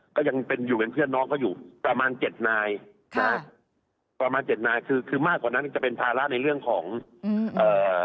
ก็ยังเป็นอยู่เป็นเพื่อนน้องเขาอยู่ประมาณเจ็ดนายนะฮะประมาณเจ็ดนายคือคือมากกว่านั้นจะเป็นภาระในเรื่องของอืมเอ่อ